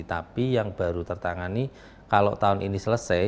tapi yang baru tertangani kalau tahun ini selesai